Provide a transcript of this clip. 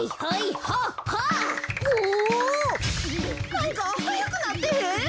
なんかはやくなってへん？